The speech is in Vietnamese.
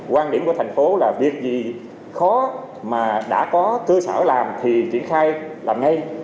quan điểm của thành phố là việc gì khó mà đã có cơ sở làm thì triển khai làm ngay